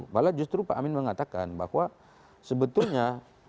malah justru pak amin mengatakan bahwa sebetulnya